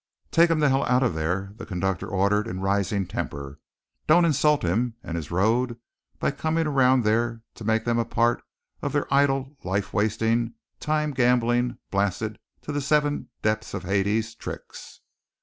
Take him to hell out of there, the conductor ordered in rising temper. Don't insult him and his road by coming around there to make them a part in their idle, life wasting, time gambling, blasted to the seventh depth of Hades tricks.